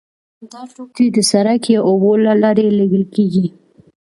دا توکي د سړک یا اوبو له لارې لیږل کیږي